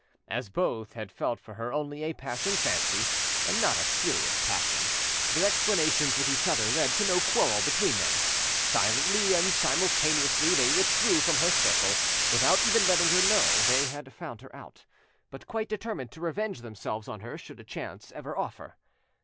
As both had felt for her only a passing fancy and not a serious passion, their explanations with each other led to no quarrel between them; silently and simultaneously they withdrew from her circle, without even letting her know they had found her out, but quite determined to revenge, themselves on her should a chance ever offer.